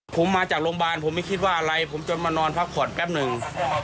ผมมาจากโรงพยาบาลผมไม่คิดว่าอะไรผมจนมานอนพักผ่อนแป๊บหนึ่ง